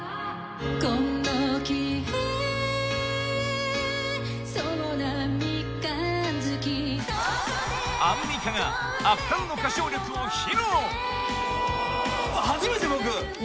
この消えそうな三日月アンミカが圧巻の歌唱力を披露！